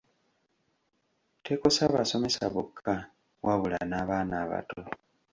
Tekosa basomesa bokka wabula n’abaana abato.